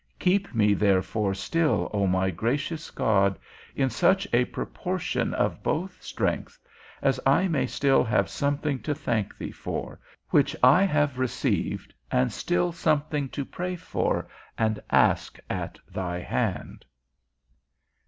Keep me therefore still, O my gracious God, in such a proportion of both strengths, as I may still have something to thank thee for, which I have received, and still something to pray for and ask at thy hand.